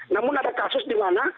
namun ada kasus di mana